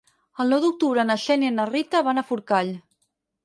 El nou d'octubre na Xènia i na Rita van a Forcall.